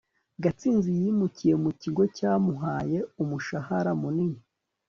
gatsinzi yimukiye mu kigo cyamuhaye umushahara munini